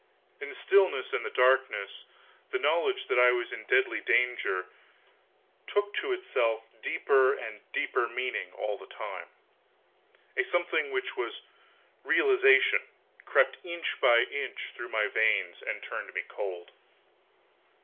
In the stillness and the darkness, the knowledge that I was in deadly danger took to itself deeper and deeper meaning all the time; a something which was realization crept inch by inch through my veins and turned me cold.